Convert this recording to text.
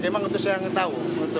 memang itu saya tahu